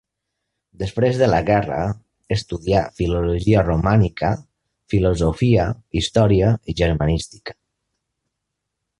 Després de la guerra, estudià filologia romànica, filosofia, història i germanística.